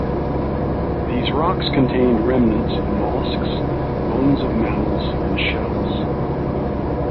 These rocks contained remnants of molluscs, bones of mammals, and shells.